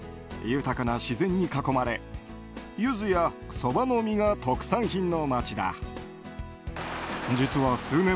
豊かな自然に囲まれユズやソバの実が特産品の町だ。